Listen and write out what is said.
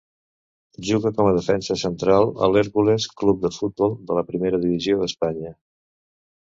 Juga com a defensa central a l'Hèrcules Club de Futbol de la Primera Divisió d'Espanya.